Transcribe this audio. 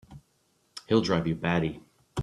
He'll drive you batty!